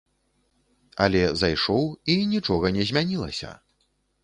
Але зайшоў, і нічога не змянілася!